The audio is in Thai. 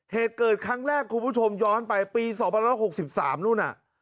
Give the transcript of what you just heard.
เหตุเกิดครั้งแรกคุณผู้ชมย้อนไปปี๒๐๖๓นู่นน่ะ